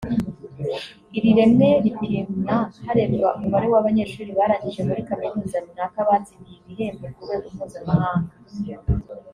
Iri reme ripimwa harebwa umubare w'abanyeshuri barangije muri kaminuza runaka batsindiye ibihembo ku rwego mpuzamahanga